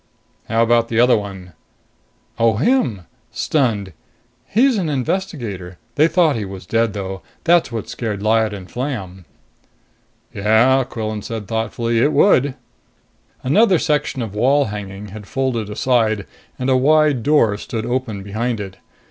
"How about the other one?" "Oh, him. Stunned. He's an investigator. They thought he was dead, though. That's what scared Lyad and Flam." "Yeah," Quillan said thoughtfully. "It would." Another section of wall hanging had folded aside, and a wide door stood open behind it.